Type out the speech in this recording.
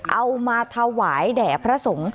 เอามาถวายแด่พระสงฆ์